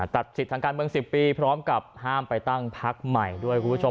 ตัดสิทธิ์ทางการเมือง๑๐ปีพร้อมกับห้ามไปตั้งพักใหม่ด้วยคุณผู้ชม